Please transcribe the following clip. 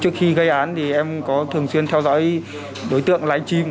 trước khi gây án thì em có thường xuyên theo dõi đối tượng lách chim